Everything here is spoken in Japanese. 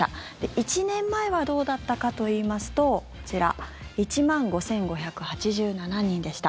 １年前はどうだったかといいますとこちら１万５５８７人でした。